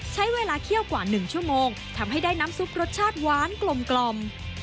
ใช้เวลาเคี่ยวกว่า๑ชั่วโมงทำให้ได้น้ำซุปรสชาติหวานกลม